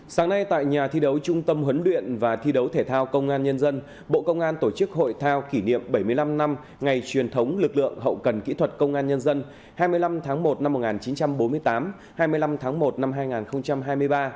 sáng nay tại nhà thi đấu trung tâm huấn luyện và thi đấu thể thao công an nhân dân bộ công an tổ chức hội thao kỷ niệm bảy mươi năm năm ngày truyền thống lực lượng hậu cần kỹ thuật công an nhân dân hai mươi năm tháng một năm một nghìn chín trăm bốn mươi tám hai mươi năm tháng một năm hai nghìn hai mươi ba